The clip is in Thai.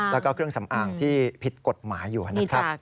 แล้วก็เครื่องสำอางที่ผิดกฎหมายอยู่นะครับ